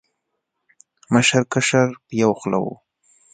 مشر، کشر په یو خوله و